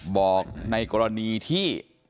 บอกในกรณีที่